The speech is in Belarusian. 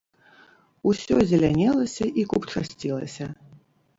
Усё зелянелася і купчасцілася.